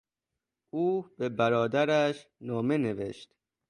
او به برادرش نامه نوشت.